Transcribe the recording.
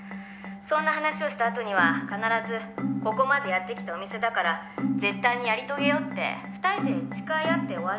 「そんな話をした後には必ずここまでやってきたお店だから絶対にやり遂げようって２人で誓い合って終わるんです。